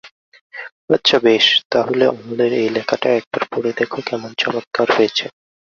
আচ্ছা বেশ, তা হলে অমলের এই লেখাটা একবার পড়ে দেখো কেমন চমৎকার হয়েছে।